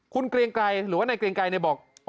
คุณเกรียงไกรหรือว่านายเกรียงไกรบอก